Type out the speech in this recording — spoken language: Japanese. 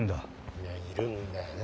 いやいるんだよね